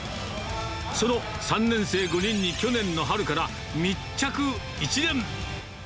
その３年生５人に去年の春から密着１年。